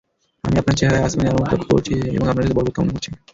আমি আপনার চেহারায় আসমানী আলামত লক্ষ্য করেছি এবং আপনার কাছে বরকত কামনা করছি।